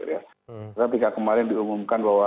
karena ketika kemarin diumumkan bahwa